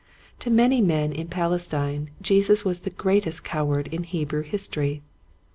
To many men in Palestine Jesus was the greatest coward in Hebrew history.